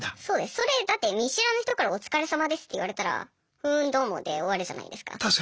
それだって見知らぬ人から「お疲れさまです」って言われたら「ふんどうも」で終わるじゃないですか。